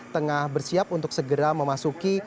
tengah bersiap untuk segera memasuki